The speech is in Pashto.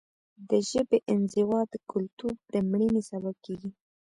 د ژبې انزوا د کلتور د مړینې سبب کیږي.